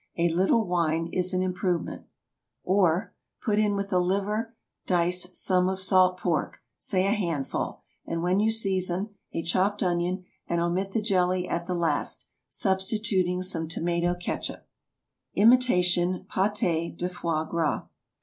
A little wine is an improvement. Or, Put in with the liver dice some of salt pork—say a handful—and when you season, a chopped onion, and omit the jelly at the last, substituting some tomato catsup. IMITATION PÂTÉS DE FOIE GRAS.